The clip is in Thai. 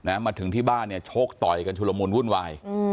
มาที่บ้านโชคต่อยชุบละมูลวุ่นวาย